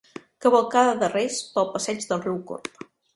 Cavalcada de Reis pel passeig del riu Corb.